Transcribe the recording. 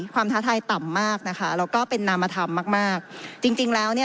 ท้าทายต่ำมากนะคะแล้วก็เป็นนามธรรมมากมากจริงจริงแล้วเนี่ย